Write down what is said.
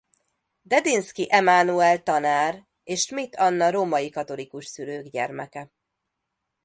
Dedinszky Emánuel tanár és Schmidt Anna római katolikus szülők gyermeke.